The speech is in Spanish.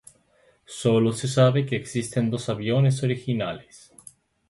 Solo se sabe que existen dos aviones originales.